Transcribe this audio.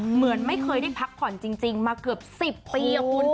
เหมือนไม่เคยได้พักผ่อนจริงมาเกือบ๑๐ปีคุณ